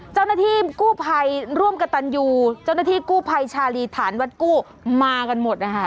เจ้าหน้าที่กู้ภัยร่วมกับตันยูเจ้าหน้าที่กู้ภัยชาลีฐานวัดกู้มากันหมดนะคะ